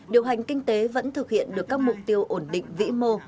điều hành kinh tế vẫn thực hiện được các mục tiêu ổn định vĩ mô